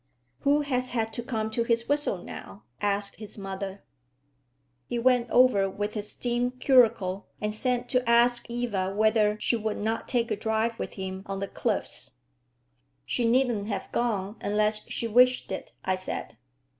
"Who has had to come to his whistle now?" asked his mother. "He went over with his steam curricle, and sent to ask Eva whether she would not take a drive with him on the cliffs." "She needn't have gone unless she wished it," I said.